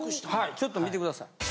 ちょっと見てください。